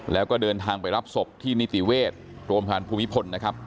แล้วก็เดินทางไปรับศพที่นิติเวชโรงพยาบาลภูมิพลนะครับ